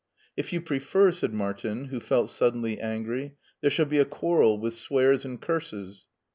"If you prefer," said Martin, who felt suddenly angry, "there shall be a quarrel with swears and curses."